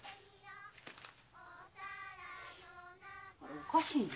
おかしいね。